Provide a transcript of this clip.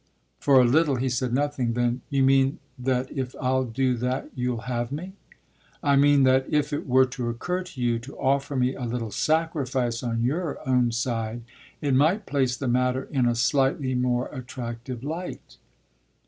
For a little he said nothing; then: "You mean that if I'll do that you'll have me?" "I mean that if it were to occur to you to offer me a little sacrifice on your own side it might place the matter in a slightly more attractive light."